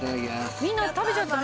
「みんな食べちゃったの？